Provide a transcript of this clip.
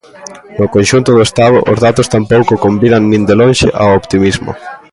No conxunto do Estado os datos tampouco convidan, nin de lonxe, ao optimismo.